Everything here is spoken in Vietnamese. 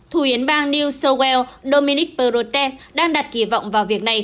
thủ yến bang new south wales dominic portes đang đặt kỳ vọng vào việc này